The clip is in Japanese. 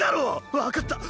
分かった！